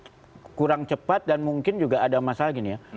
saya kira memang kurang cepat dan mungkin juga ada masalah begini ya